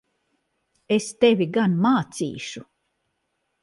Es tevi gan mācīšu!